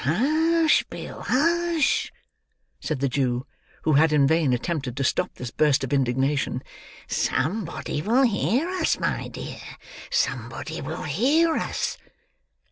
"Hush, Bill, hush!" said the Jew, who had in vain attempted to stop this burst of indignation; "somebody will hear us, my dear. Somebody will hear us."